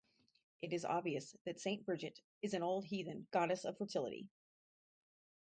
It is obvious that St. Bridget is an old heathen goddess of fertility.